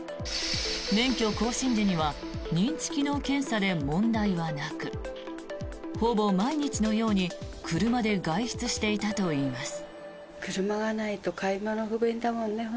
免許更新時には認知機能検査で問題はなくほぼ毎日のように車で外出していたといいます。